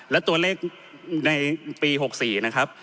และตัวเลขในปี๖๔นะครับ